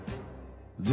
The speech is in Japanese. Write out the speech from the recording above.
で